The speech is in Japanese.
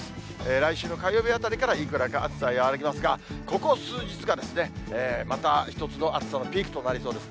来週の火曜日あたりからいくらか暑さ和らぎますが、ここ数日が、また一つの暑さのピークとなりそうです。